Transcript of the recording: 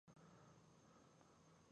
ور روزي كړى شي، وايي به: دا خو همغه دي چې: